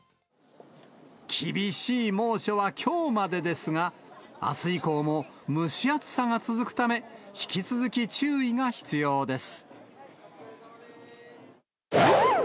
厳しい猛暑はきょうまでですが、あす以降も蒸し暑さが続くため、引き続き注意が必要です。